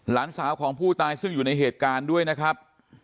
หลานสาวของผู้ตายซึ่งอยู่ในเหตุการณ์ด้วยนะครับ